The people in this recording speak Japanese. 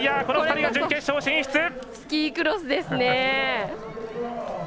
この２人が決勝進出！